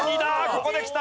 ここできた。